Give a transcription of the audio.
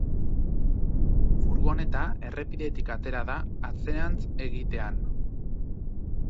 Furgoneta errepidetik atera da atzerantz egitean.